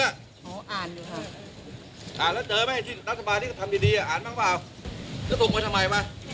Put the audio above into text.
อ๋ออ่านดูค่ะอ่านแล้วเจอไหมที่รัฐบาลนี้ก็ทำดีดีอ่านบ้างเปล่า